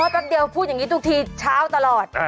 แป๊บเดียวพูดอย่างนี้ทุกทีเช้าตลอด